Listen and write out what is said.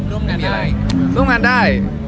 ร่วมงานได้